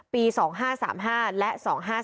ปี๒๕๓๕และ๒๕๔